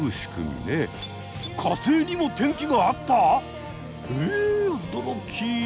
火星にも天気があった！？え驚き！